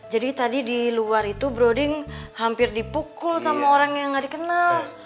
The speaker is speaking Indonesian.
jadi tadi di luar itu broding hampir dipukul sama orang yang gak dikenal